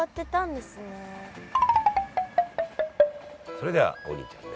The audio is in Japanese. それでは王林ちゃんね